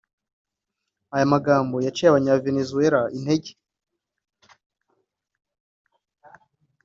Aya magambo yaciye abanya Venezuela intege